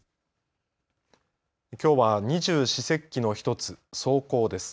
きょうは二十四節気の１つ、霜降です。